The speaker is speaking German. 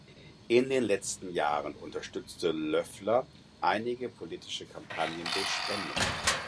In den letzten Jahren unterstützte Loeffler einige politische Kampagnen durch Spenden.